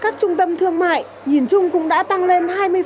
các trung tâm thương mại nhìn chung cũng đã tăng lên hai mươi